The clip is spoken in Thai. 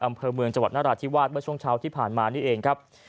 อำเภอเมืองจังหวัดนราธิวาสเมื่อช่วงเช้าที่ผ่านมานี่เองครับ